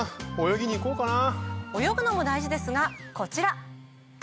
泳ぐのも大事ですがこちら。